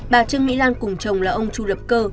bà trương mỹ lan cùng chồng là ông chu lập cơ